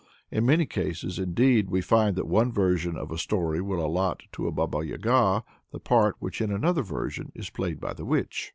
In many cases, indeed, we find that one version of a story will allot to a Baba Yaga the part which in another version is played by a Witch.